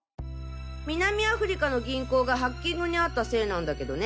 南アフリカの銀行がハッキングに遭ったせいなんだけどね。